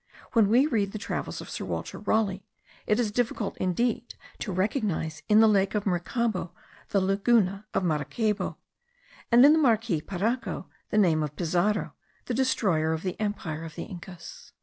When we read the travels of Sir Walter Raleigh, it is difficult indeed to recognise in the lake of Mrecabo, the laguna of Maracaybo, and in the Marquis Paraco the name of Pizarro, the destroyer of the empire of the Incas.